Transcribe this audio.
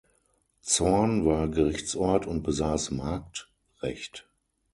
Zorn war Gerichtsort und besaß Marktrecht.